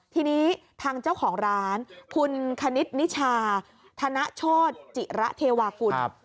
ทีนี้ทางเจ้าของร้านคุณคณิตนิชาธนโชธจิระเทวากุล